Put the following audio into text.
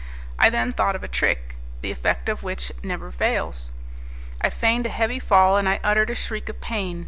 I then thought of a trick, the effect of which never fails; I feigned a heavy fall, and I uttered a shriek of pain.